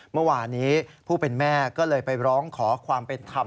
เมื่อวานี้ผู้เป็นแม่ก็เลยไปร้องขอความเป็นธรรม